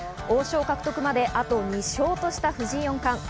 王将獲得まであと２勝とした藤井四冠。